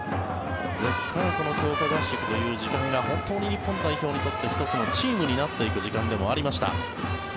ですからこの強化合宿という時間が日本代表にとって１つのチームになっていく時間でもありました。